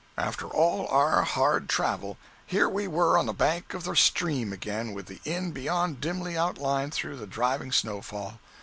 After all our hard travel, here we were on the bank of the stream again, with the inn beyond dimly outlined through the driving snow fall.